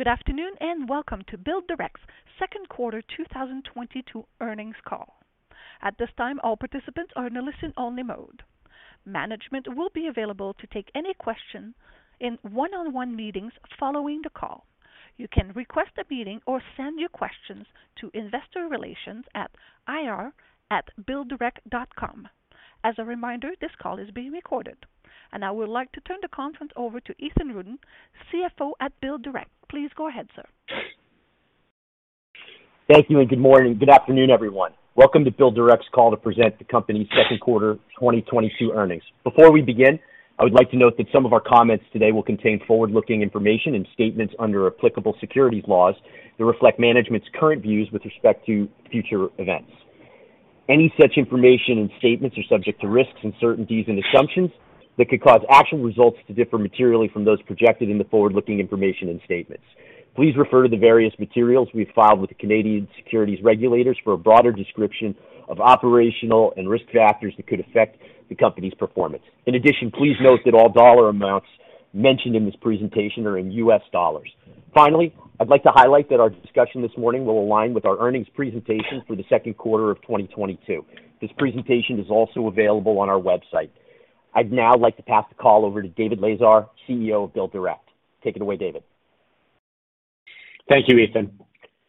Good afternoon, and welcome to BuildDirect's second quarter 2022 earnings call. At this time, all participants are in a listen-only mode. Management will be available to take any questions in one-on-one meetings following the call. You can request a meeting or send your questions to investor relations at ir@builddirect.com. As a reminder, this call is being recorded. I would like to turn the conference over to Ethan Rudin, CFO at BuildDirect. Please go ahead, sir. Thank you, and good morning. Good afternoon, everyone. Welcome to BuildDirect's call to present the company's second quarter 2022 earnings. Before we begin, I would like to note that some of our comments today will contain forward-looking information and statements under applicable securities laws that reflect management's current views with respect to future events. Any such information and statements are subject to risks, uncertainties, and assumptions that could cause actual results to differ materially from those projected in the forward-looking information and statements. Please refer to the various materials we've filed with the Canadian securities regulators for a broader description of operational and risk factors that could affect the company's performance. In addition, please note that all dollar amounts mentioned in this presentation are in U.S. dollars. Finally, I'd like to highlight that our discussion this morning will align with our earnings presentation for the second quarter of 2022. This presentation is also available on our website. I'd now like to pass the call over to David Lazar, CEO of BuildDirect. Take it away, David. Thank you, Ethan.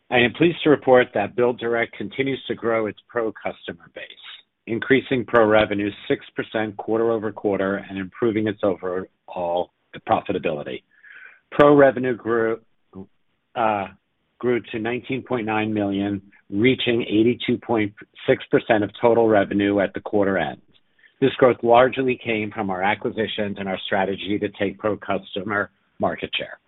I am pleased to report that BuildDirect continues to grow its pro customer base, increasing pro revenue 6% quarter-over-quarter and improving its overall profitability. Pro revenue grew to $19.9 million, reaching 82.6% of total revenue at the quarter end. This growth largely came from our acquisitions and our strategy to take pro customer market share.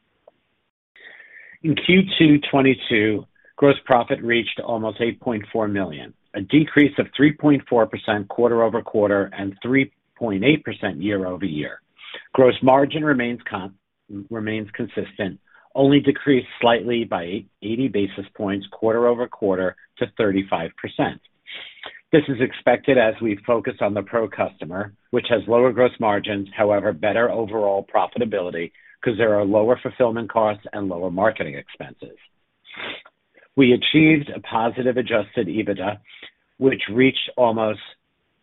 In Q2 2022, gross profit reached almost $8.4 million, a decrease of 3.4% quarter-over-quarter and 3.8% year-over-year. Gross margin remains consistent, only decreased slightly by 80 basis points quarter-over-quarter to 35%. This is expected as we focus on the pro customer, which has lower gross margins, however, better overall profitability 'cause there are lower fulfillment costs and lower marketing expenses. We achieved a positive adjusted EBITDA, which reached almost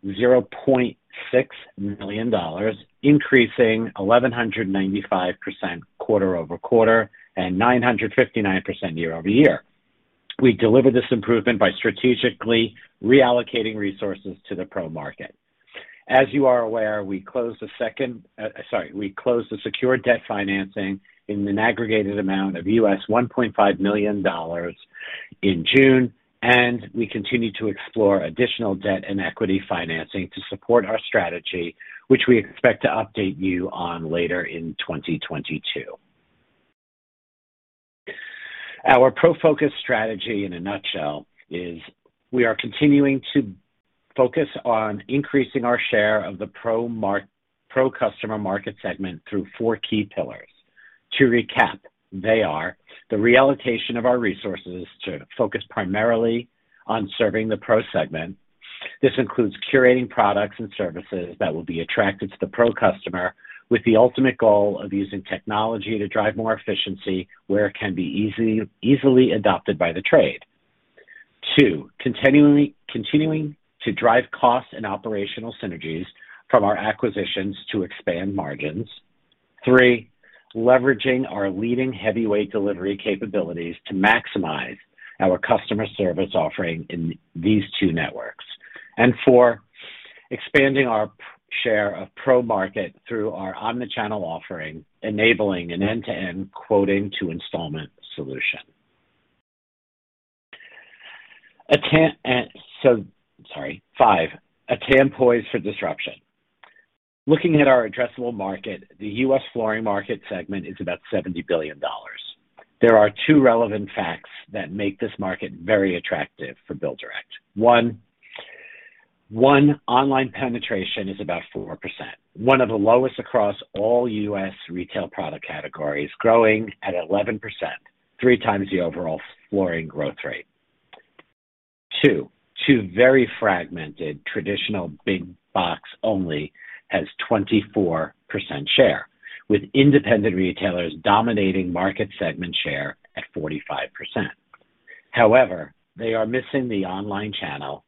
$0.6 million, increasing 1,195% quarter-over-quarter and 959% year-over-year. We delivered this improvement by strategically reallocating resources to the pro market. As you are aware, we closed the secured debt financing in an aggregate amount of $1.5 million in June, and we continue to explore additional debt and equity financing to support our strategy, which we expect to update you on later in 2022. Our pro focus strategy in a nutshell is we are continuing to focus on increasing our share of the pro customer market segment through four key pillars. To recap, they are the reallocation of our resources to focus primarily on serving the pro segment. This includes curating products and services that will be attractive to the pro customer with the ultimate goal of using technology to drive more efficiency where it can be easy, easily adopted by the trade. Two, continuing to drive costs and operational synergies from our acquisitions to expand margins. Three, leveraging our leading heavyweight delivery capabilities to maximize our customer service offering in these two networks. Four, expanding our share of pro market through our omni-channel offering, enabling an end-to-end quoting to installation solution. Five, a TAM poised for disruption. Looking at our addressable market, the U.S. flooring market segment is about $70 billion. There are two relevant facts that make this market very attractive for BuildDirect. One, online penetration is about 4%, one of the lowest across all U.S. retail product categories, growing at 11%, three times the overall flooring growth rate. Two, very fragmented traditional big box only has 24% share, with independent retailers dominating market segment share at 45%. However, they are missing the online channel.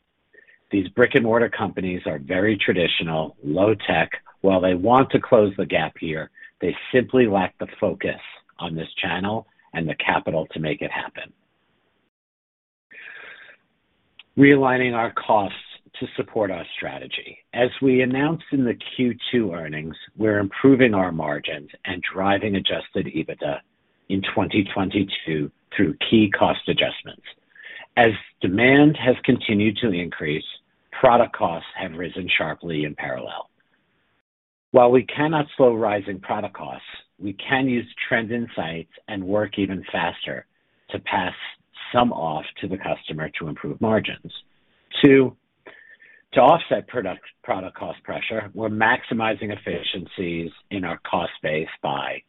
These brick-and-mortar companies are very traditional, low tech. While they want to close the gap here, they simply lack the focus on this channel and the capital to make it happen. Realigning our costs to support our strategy. As we announced in the Q2 earnings, we're improving our margins and driving adjusted EBITDA in 2022 through key cost adjustments. As demand has continued to increase, product costs have risen sharply in parallel. While we cannot slow rising product costs, we can use trend insights and work even faster to pass some off to the customer to improve margins. Two, to offset product cost pressure, we're maximizing efficiencies in our cost base by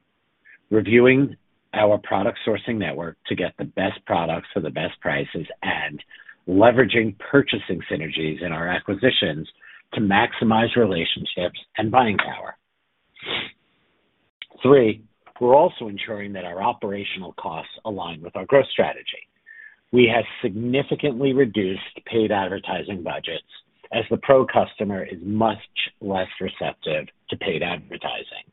reviewing our product sourcing network to get the best products for the best prices and leveraging purchasing synergies in our acquisitions to maximize relationships and buying power. Three, we're also ensuring that our operational costs align with our growth strategy. We have significantly reduced paid advertising budgets as the pro customer is much less receptive to paid advertising.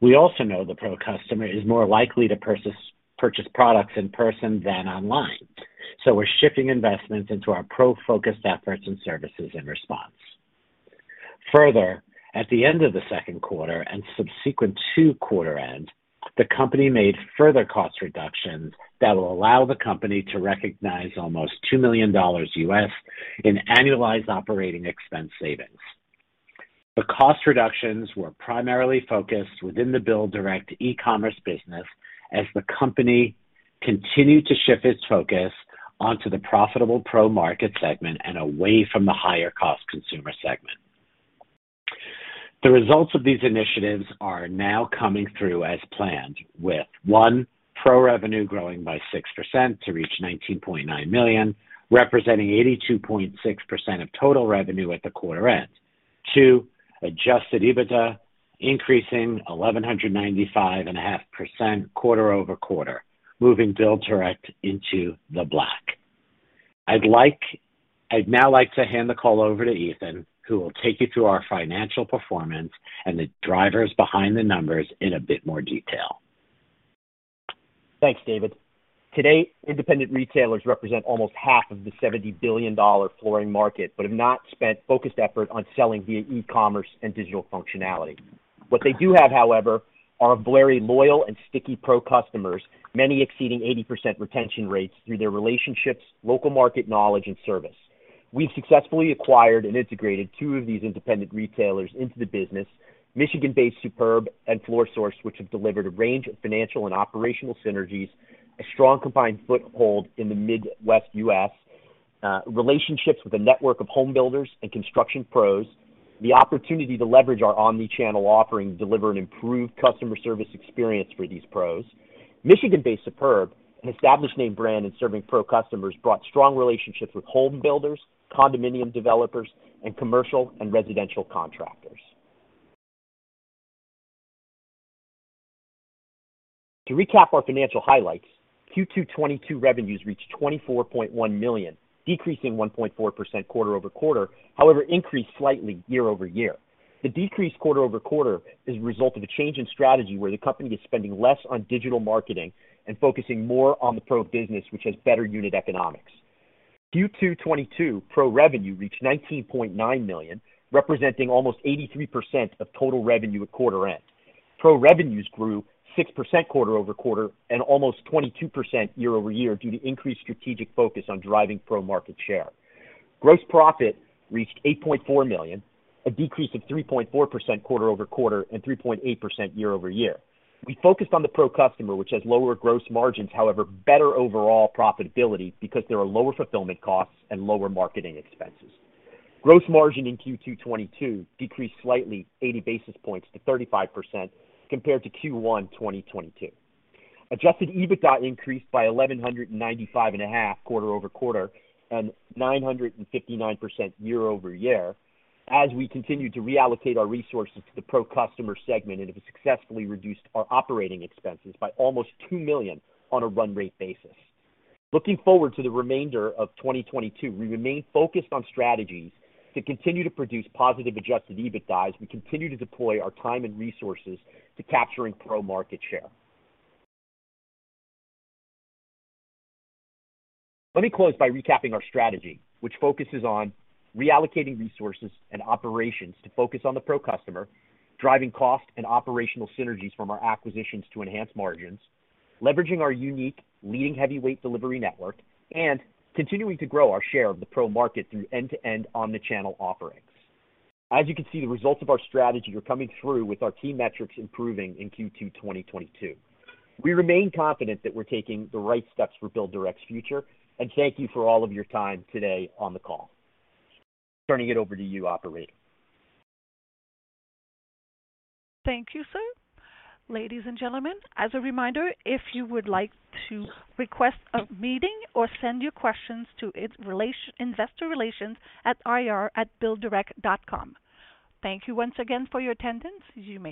We also know the pro customer is more likely to purchase products in person than online, so we're shifting investments into our pro focused efforts and services in response. Further, at the end of the second quarter and subsequent to quarter end, the company made further cost reductions that will allow the company to recognize almost $2 million in annualized operating expense savings. The cost reductions were primarily focused within the BuildDirect e-commerce business as the company continued to shift its focus onto the profitable pro market segment and away from the higher cost consumer segment. The results of these initiatives are now coming through as planned, with, one, pro revenue growing by 6% to reach $19.9 million, representing 82.6% of total revenue at the quarter end. Two, adjusted EBITDA increasing 1,195.5% quarter-over-quarter, moving BuildDirect into the black. I'd now like to hand the call over to Ethan, who will take you through our financial performance and the drivers behind the numbers in a bit more detail. Thanks, David. Today, independent retailers represent almost half of the $70 billion flooring market, but have not spent focused effort on selling via e-commerce and digital functionality. What they do have, however, are very loyal and sticky pro customers, many exceeding 80% retention rates through their relationships, local market knowledge, and service. We've successfully acquired and integrated two of these independent retailers into the business, Michigan-based Superb and FloorSource, which have delivered a range of financial and operational synergies, a strong combined foothold in the Midwest U.S., relationships with a network of home builders and construction pros, the opportunity to leverage our omni-channel offering to deliver an improved customer service experience for these pros. Michigan-based Superb, an established name brand in serving pro customers, brought strong relationships with home builders, condominium developers, and commercial and residential contractors. To recap our financial highlights, Q2 2022 revenues reached $24.1 million, decreasing 1.4% quarter-over-quarter. However, increased slightly year-over-year. The decrease quarter-over-quarter is a result of a change in strategy where the company is spending less on digital marketing and focusing more on the pro business, which has better unit economics. Q2 2022 pro revenue reached $19.9 million, representing almost 83% of total revenue at quarter end. Pro revenues grew 6% quarter-over-quarter and almost 22% year-over-year due to increased strategic focus on driving pro market share. Gross profit reached $8.4 million, a decrease of 3.4% quarter-over-quarter, and 3.8% year-over-year. We focused on the pro customer, which has lower gross margins, however, better overall profitability because there are lower fulfillment costs and lower marketing expenses. Gross margin in Q2 2022 decreased slightly 80 basis points to 35% compared to Q1 2022. Adjusted EBITDA increased by 1,195.5 quarter-over-quarter and 959% year-over-year as we continued to reallocate our resources to the pro customer segment and have successfully reduced our operating expenses by almost $2 million on a run rate basis. Looking forward to the remainder of 2022, we remain focused on strategies to continue to produce positive adjusted EBITDA as we continue to deploy our time and resources to capturing pro market share. Let me close by recapping our strategy, which focuses on reallocating resources and operations to focus on the pro customer, driving cost and operational synergies from our acquisitions to enhance margins, leveraging our unique leading heavyweight delivery network, and continuing to grow our share of the pro market through end-to-end omni-channel offerings. As you can see, the results of our strategy are coming through with our key metrics improving in Q2 2022. We remain confident that we're taking the right steps for BuildDirect's future, and thank you for all of your time today on the call. Turning it over to you, operator. Thank you, sir. Ladies and gentlemen, as a reminder, if you would like to request a meeting or send your questions to investor relations at ir@builddirect.com. Thank you once again for your attendance. You may disconnect.